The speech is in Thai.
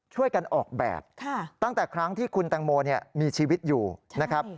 ช่วยกันออกแบบตั้งแต่ครั้งที่คุณแตงโมมีชีวิตอยู่นะครับ